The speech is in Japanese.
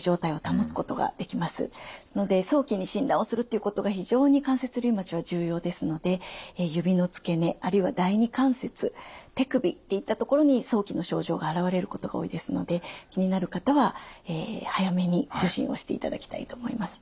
早期に診断をするっていうことが非常に関節リウマチは重要ですので指のつけ根あるいは第二関節手首っていったところに早期の症状が現れることが多いですので気になる方は早めに受診をしていただきたいと思います。